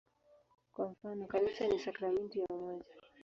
Kwa mfano, "Kanisa ni sakramenti ya umoja".